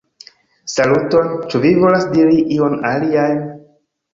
Saluton! Ĉu vi volas diri ion alian?